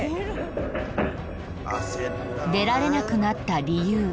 出られなくなった理由